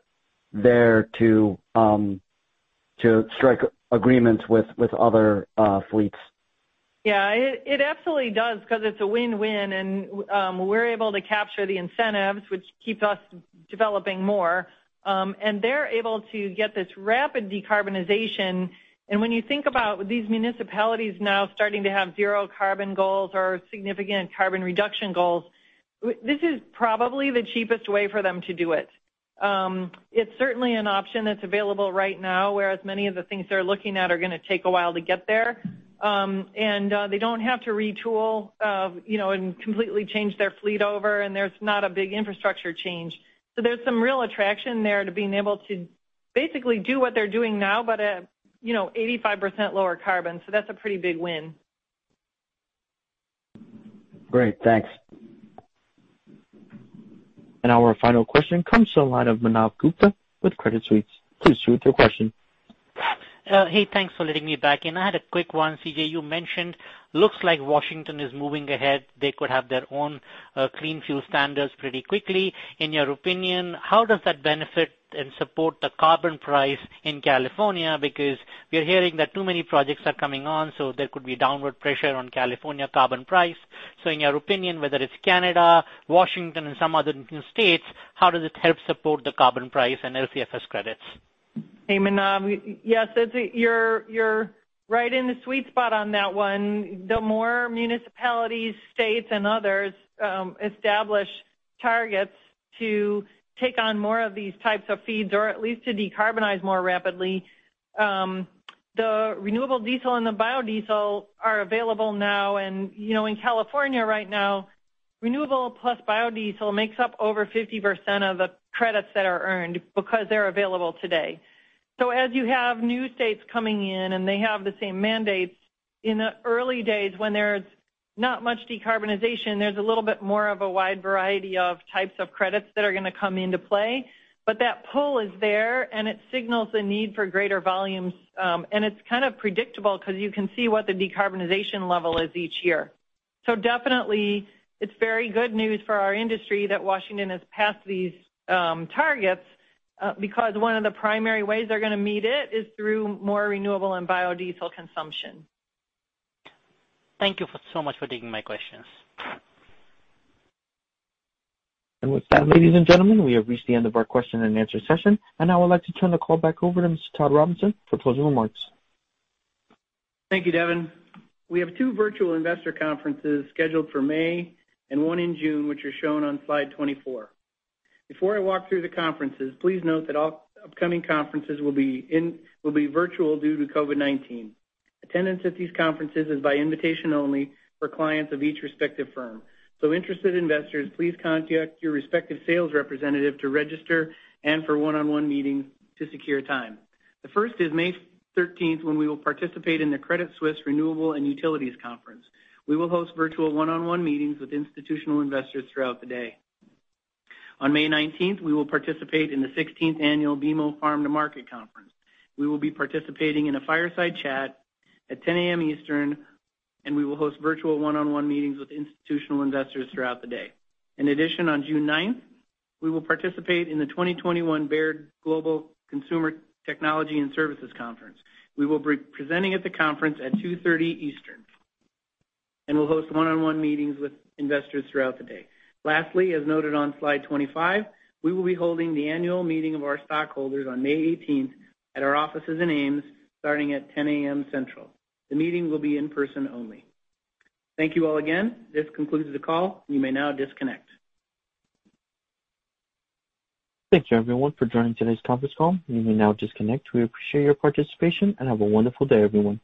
there to strike agreements with other fleets? Yeah, it absolutely does because it's a win-win and we're able to capture the incentives, which keeps us developing more. They're able to get this rapid decarbonization. When you think about these municipalities now starting to have zero carbon goals or significant carbon reduction goals, this is probably the cheapest way for them to do it. It's certainly an option that's available right now, whereas many of the things they're looking at are going to take a while to get there. They don't have to retool and completely change their fleet over, and there's not a big infrastructure change. There's some real attraction there to being able to basically do what they're doing now, but at 85% lower carbon. That's a pretty big win. Great. Thanks. Our final question comes to the line of Manav Gupta with Credit Suisse. Please proceed with your question. Hey, thanks for letting me back in. I had a quick one, CJ. You mentioned looks like Washington is moving ahead. They could have their own clean fuel standards pretty quickly. In your opinion, how does that benefit and support the carbon price in California? We are hearing that too many projects are coming on, there could be downward pressure on California carbon price. In your opinion, whether it's Canada, Washington, and some other states, how does it help support the carbon price and LCFS credits? Manav Gupta, yes. You're right in the sweet spot on that one. The more municipalities, states, and others establish targets to take on more of these types of feeds, or at least to decarbonize more rapidly, the renewable diesel and the biodiesel are available now. In California right now, renewable plus biodiesel makes up over 50% of the credits that are earned because they're available today. As you have new states coming in and they have the same mandates, in the early days when there's not much decarbonization, there's a little bit more of a wide variety of types of credits that are going to come into play. That pull is there, and it signals the need for greater volumes. It's kind of predictable because you can see what the decarbonization level is each year. Definitely it's very good news for our industry that Washington has passed these targets because one of the primary ways they're going to meet it is through more renewable and biodiesel consumption. Thank you so much for taking my questions. With that, ladies and gentlemen, we have reached the end of our question and answer session, and I would like to turn the call back over to Mr. Todd Robinson for closing remarks. Thank you, Devin. We have two virtual investor conferences scheduled for May and one in June, which are shown on slide 24. Before I walk through the conferences, please note that all upcoming conferences will be virtual due to COVID-19. Attendance at these conferences is by invitation only for clients of each respective firm. Interested investors, please contact your respective sales representative to register and for one-on-one meetings to secure time. The first is May 13th, when we will participate in the Credit Suisse Renewables and Utilities Conference. We will host virtual one-on-one meetings with institutional investors throughout the day. On May 19th, we will participate in the 16th Annual BMO Farm to Market Conference. We will be participating in a fireside chat at 10:00 A.M. Eastern, and we will host virtual one-on-one meetings with institutional investors throughout the day. In addition, on June 9th, we will participate in the 2021 Baird Global Consumer, Technology & Services Conference. We will be presenting at the conference at 2:30 P.M. Eastern, and we'll host one-on-one meetings with investors throughout the day. Lastly, as noted on slide 25, we will be holding the annual meeting of our stockholders on May 18th at our offices in Ames, starting at 10:00 A.M. Central. The meeting will be in person only. Thank you all again. This concludes the call. You may now disconnect. Thank you everyone for joining today's conference call. You may now disconnect. We appreciate your participation, and have a wonderful day, everyone.